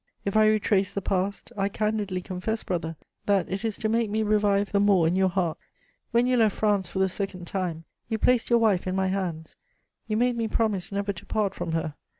If I retrace the past, I candidly confess, brother, that it is to make me revive the more in your heart. When you left France for the second time, you placed your wife in my hands, you made me promise never to part from her.